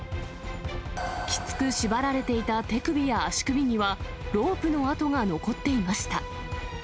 きつく縛られていた手首や足首にはロープの跡が残っていました。